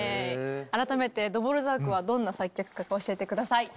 改めてドボルザークはどんな作曲家か教えて下さい。